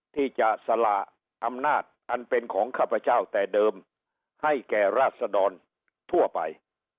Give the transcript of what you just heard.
ที่จะสละอำนาจอันเป็นของข้าพเจ้าแต่เดิมให้แก่ราชดรทั่วไป